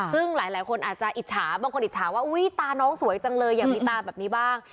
ซึ่งหลายคนอาจจะอิจฉาบางคนอิจฉาว่าอุ้ยตาน้องสวยจังเลยอยากมีตาแบบนี้บ้าง